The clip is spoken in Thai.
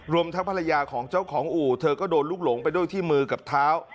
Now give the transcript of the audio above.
รวมทั้งภรรยาของเจ้าของอู่เธอก็โดนลูกหลงไปด้วยที่มือกับเท้า